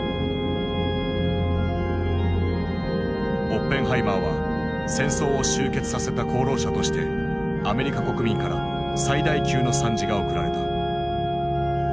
オッペンハイマーは戦争を終結させた功労者としてアメリカ国民から最大級の賛辞が贈られた。